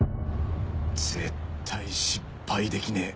絶対失敗できねえ